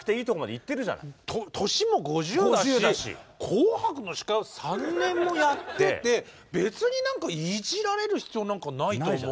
「紅白」の司会を３年もやってて別にいじられる必要なんかないと思う。